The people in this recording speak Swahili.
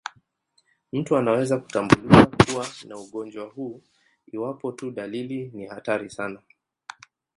Mtu anaweza kutambulika kuwa na ugonjwa huu iwapo tu dalili ni hatari sana.